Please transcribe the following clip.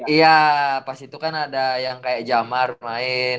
iya pas itu kan ada yang kayak jamar main